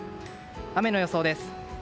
雨の予想です。